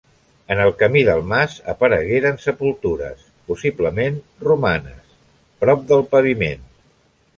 En el camí del mas aparegueren sepultures, possiblement romanes, prop del paviment.